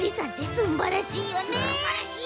すんばらしいよな！